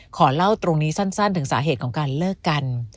ขอเล่าตรงนี้สั้นถึงสาเหตุของการเลิกกัน